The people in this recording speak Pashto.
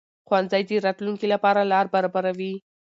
ښوونځی د راتلونکي لپاره لار برابروي